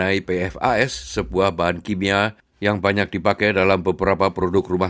dan kita perlu sebagai komunitas dan ini perlu dilakukan oleh pemerintah